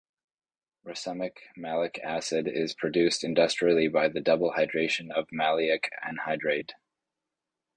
Racemic malic acid is produced industrially by the double hydration of maleic anhydride.